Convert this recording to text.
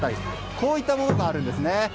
こういったものがあるんです。